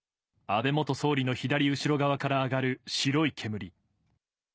安倍元総理の左後ろ側から上がる白い煙。